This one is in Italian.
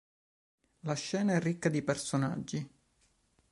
La scena è ricca di personaggi.